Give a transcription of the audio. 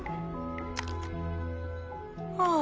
ああ。